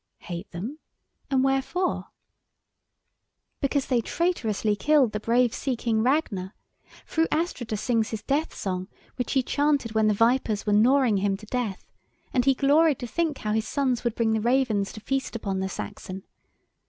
"Hate them? and wherefore?" "Because they traitorously killed the brave Sea King Ragnar! Fru Astrida sings his death song, which he chanted when the vipers were gnawing him to death, and he gloried to think how his sons would bring the ravens to feast upon the Saxon.